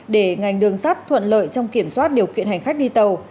để ngành đường sắt thuận lợi trong kiểm soát điều kiện hành khách đi tàu